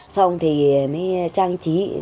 xong thì mới trang trí